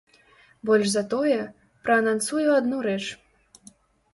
Больш за тое, праанансую адну рэч.